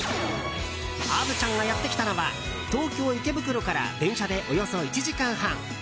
虻ちゃんがやってきたのは東京・池袋から電車でおよそ１時間半。